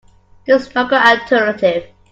This no good alternative.